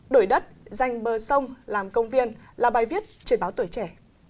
đổi đất danh bờ sông làm công viên là bài viết trên báo tuổi trẻ